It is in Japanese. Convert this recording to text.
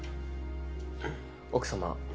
奥様